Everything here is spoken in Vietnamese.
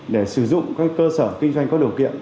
để sử dụng các cơ sở kinh doanh có điều kiện